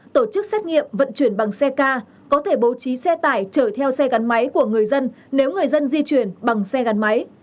tổ chức xét nghiệm vận chuyển bằng xe ca có thể bố trí xe tải chở theo xe gắn máy của người dân nếu người dân di chuyển bằng xe gắn máy